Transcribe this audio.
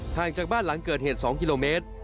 จากบ้านหลังเกิดเหตุ๒กิโลเมตร